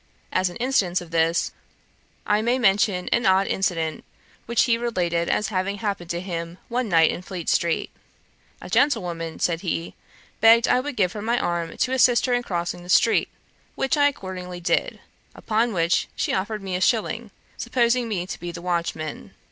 As an instance of this, I may mention an odd incident which he related as having happened to him one night in Fleet street. 'A gentlewoman (said he) begged I would give her my arm to assist her in crossing the street, which I accordingly did; upon which she offered me a shilling, supposing me to be the watchman.